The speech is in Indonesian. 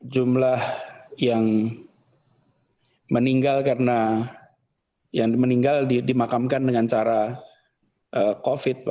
jumlah yang meninggal karena yang meninggal dimakamkan dengan cara covid